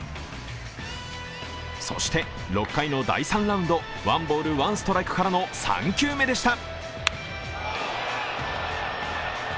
そして６回の第３ラウンド、ワンボール・ワンストライクからの３球目でした。